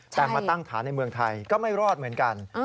แต่มาตั้งฐานในเมืองไทยก็ไม่รอดเหมือนกัน